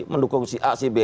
mendukung si a si b